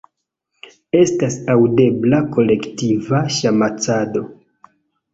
Estas aŭdebla kolektiva ŝmacado.